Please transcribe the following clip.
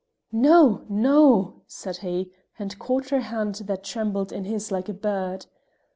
"No! no!" said he, and caught her hand that trembled in his like a bird.